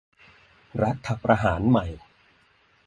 รัฐประหารใหม่